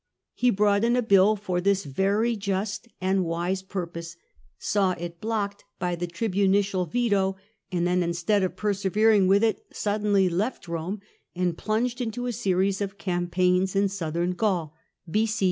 He brought in a bill for this very just and wise purpose, saw it blocked by the tribunicial veto, and then, instead of persevering with it, suddenly left Rome, and plunged into a series of campaigns in Southern Gaul [b.c.